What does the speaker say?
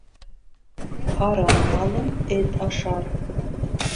Һаран малын эт ашар.